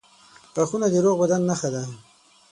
• غاښونه د روغ بدن نښه ده.